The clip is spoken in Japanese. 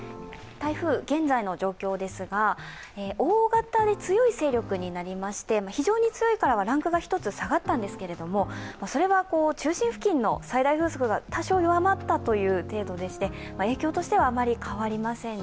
台風、現在の状況ですが、大型で強い勢力になりまして非常に強いからはランクが１つ下がったんですけれども、それは中心付近の最大風速が多少弱まったという程度でして影響としてはあまり変わりません。